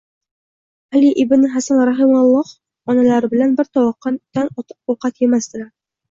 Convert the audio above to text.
«Ali ibn Hasan rohimahulloh onalari bilan bir tovoqdan ovqat yemasdilar